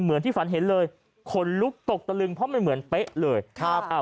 เหมือนที่ฝันเห็นเลยขนลุกตกตะลึงเพราะมันเหมือนเป๊ะเลยครับอ่า